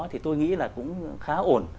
thì tôi nghĩ là cũng khá ổn